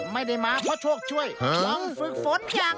มีมีมีน้องเคยดูมีหรือเปล่า